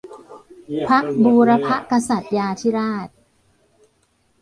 พระบุรพกษัตริยาธิราช